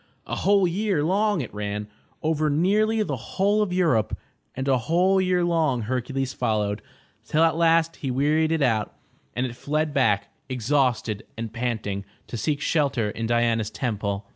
A whole year long it ran, over nearly the whole of Europe, and a whole year long Hercules followed, till at last he wearied it out, and it fled back, exhausted and panting, to seek shelter in Diana's Temple.